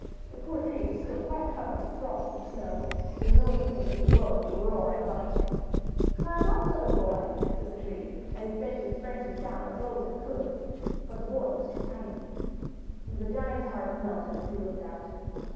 The poor tree was still quite covered with frost and snow, and the North Wind was blowing and roaring above it. ''Climb up! little boy, said the Tree, and bent its branches 249 MY BOOK HOUSE down as low as it could; but the boy was too tiny. And the Giant's heart melted as he looked out.